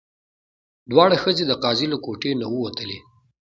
دواړه ښځې د قاضي له کوټې نه ووتلې.